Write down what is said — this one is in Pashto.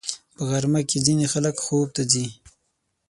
په غرمه کې ځینې خلک خوب ته ځي